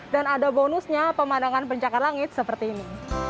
dan ada bonusnya pemandangan pencakar langit seperti ini